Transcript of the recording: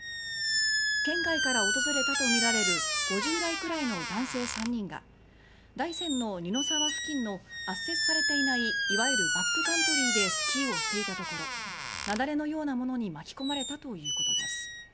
県外から訪れたとみられる５０代くらいの男性３人が大山の二の沢付近の圧雪されていないいわゆるバックカントリーでスキーをしていたところ雪崩のようなものに巻き込まれたということです。